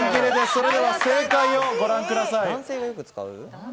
それでは正解をご覧ください。